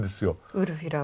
ウルフィラは。